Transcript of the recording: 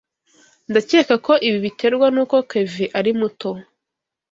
Ndakeka ko ibi biterwa nuko Kevin ari muto.